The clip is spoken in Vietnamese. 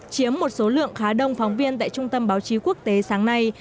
chiếm một số lượng khá đông phóng viên tại trung tâm báo chí quốc tế sáng nay